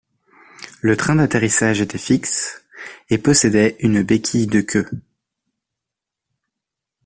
Le train d'atterrissage était fixe et possédait une béquille de queue.